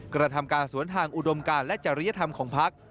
กระทำการสวนทางอุดมการและจริยธรรมของพัก